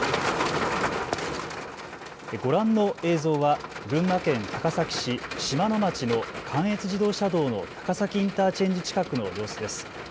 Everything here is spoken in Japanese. ご覧の映像は群馬県高崎市島野町の関越自動車道の高崎インターチェンジ近くの様子です。